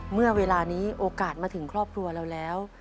เมื่อเวลานี้โอกาสมาถึงครอบครัวเราแล้ว